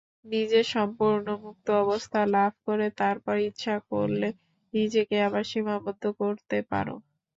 নিজে সম্পূর্ণ মুক্ত অবস্থা লাভ করে তারপর ইচ্ছা করলে নিজেকে আবার সীমাবদ্ধ করতে পার।